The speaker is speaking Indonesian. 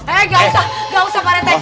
eh gak usah pak rt